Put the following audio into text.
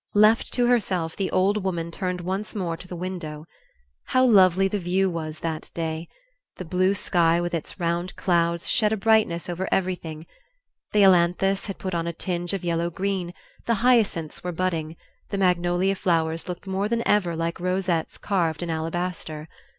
Left to herself the old woman turned once more to the window. How lovely the view was that day! The blue sky with its round clouds shed a brightness over everything; the ailanthus had put on a tinge of yellow green, the hyacinths were budding, the magnolia flowers looked more than ever like rosettes carved in alabaster.